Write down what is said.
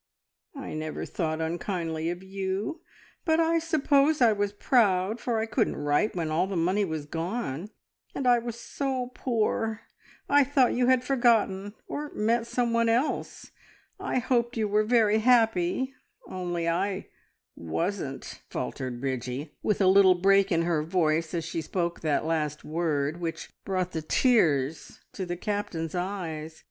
"I never thought unkindly of you, but I suppose I was proud, for I couldn't write when all the money was gone, and I was so poor. I thought you had forgotten, or met someone else! I hoped you were very happy, only I wasn't!" faltered Bridgie, with a little break in her voice as she spoke that last word, which brought the tears to the Captain's eyes.